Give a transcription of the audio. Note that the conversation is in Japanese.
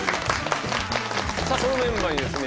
さあこのメンバーにですね